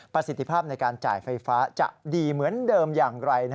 สิทธิภาพในการจ่ายไฟฟ้าจะดีเหมือนเดิมอย่างไร